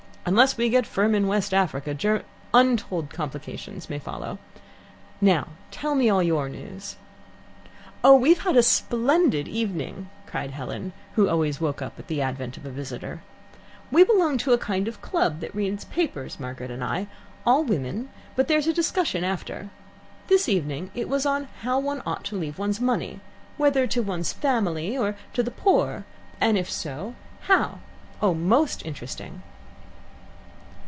Unless we get firm in West Africa, Ger untold complications may follow. Now tell me all your news." "Oh, we've had a splendid evening," cried Helen, who always woke up at the advent of a visitor. "We belong to a kind of club that reads papers, Margaret and I all women, but there is a discussion after. This evening it was on how one ought to leave one's money whether to one's family, or to the poor, and if so how oh, most interesting."